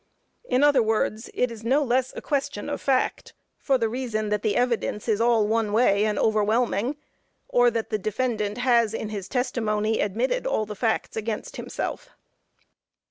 In other words, it is no less a question of fact for the reason that the evidence is all one way and overwhelming, or that the defendant has in his testimony admitted all the facts against himself.